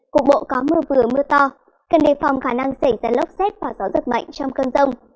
cục bộ có mưa vừa mưa to cần đề phòng khả năng xảy ra lốc xét và gió giật mạnh trong cơn rông